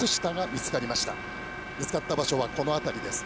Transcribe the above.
見つかった場所はこの辺りです。